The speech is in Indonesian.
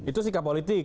itu sikap politik